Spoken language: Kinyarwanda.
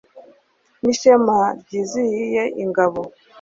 n'ishema ryizihiye ingabo